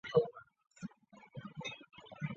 而师云砵桥一段为四线双程。